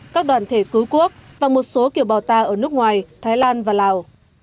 các đoàn thể cứu quốc và một số kiều bào ta ở nước ngoài thái lan và lào